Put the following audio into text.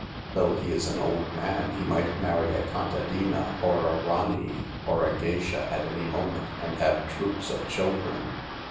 Though he is an old man, he might marry a Contadina or a Ranee or a Geisha at any moment and have troops of children.